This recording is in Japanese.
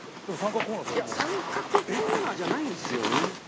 いや三角コーナーじゃないんですよね。